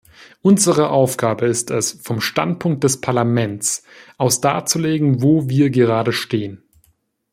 Unsere Aufgabe ist es, vom Standpunkt des Parlaments aus darzulegen, wo wir gerade stehen.